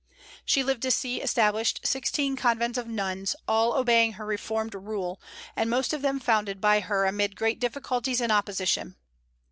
She lived to see established sixteen convents of nuns, all obeying her reformed rule, and most of them founded by her amid great difficulties and opposition.